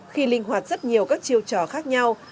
khi linh hoạt rất nhiều các chiêu trò khác nhau